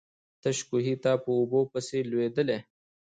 تش کوهي ته په اوبو پسي لوېدلی.